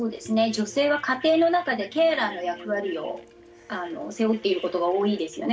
女性は家庭の中でケアラーの役割を背負っていることが多いですよね。